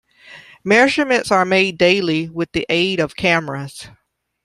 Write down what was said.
Measurements are made daily with the aid of cameras.